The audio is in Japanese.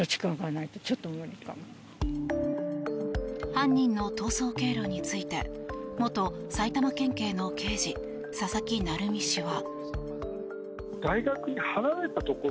犯人の逃走経路について元埼玉県警の刑事の佐々木成三氏は。